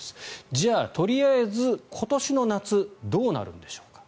じゃあとりあえず今年の夏どうなるんでしょうか。